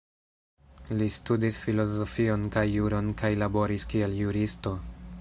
Li studis filozofion kaj juron kaj laboris kiel juristo.